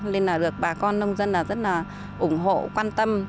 nên là được bà con nông dân rất là ủng hộ quan tâm